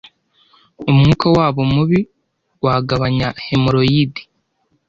umwuka wabo mubi wagabanya hemorroide,